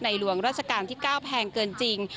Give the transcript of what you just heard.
หลวงราชการที่๙แพงเกินจริง